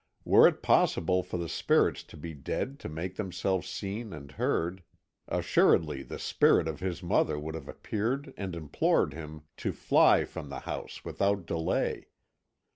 Were it possible for the spirits of the dead to make themselves seen and heard, assuredly the spirit of his mother would have appeared and implored him to fly from the house without delay.